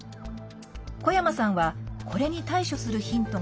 小山さんはこれに対処するヒントが